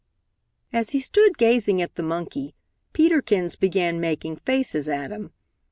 As he stood gazing at the monkey, Peter Kins began making faces at him.